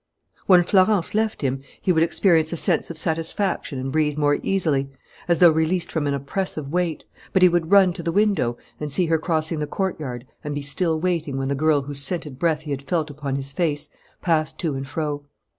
When Florence left him he would experience a sense of satisfaction and breathe more easily, as though released from an oppressive weight, but he would run to the window and see her crossing the courtyard and be still waiting when the girl whose scented breath he had felt upon his face passed to and fro.